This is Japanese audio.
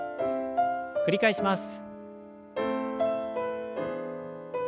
繰り返します。